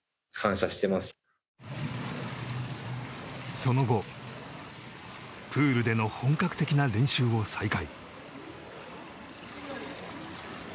その後プールでの本格的な練習を再開。